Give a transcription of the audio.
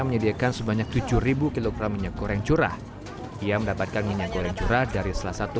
menyediakan sebanyak tujuh ribu kilogram minyak goreng curah ia mendapatkan minyak goreng curah dari salah satu